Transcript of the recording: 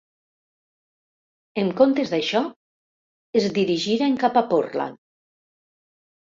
En comptes d'això, es dirigiren cap a Portland.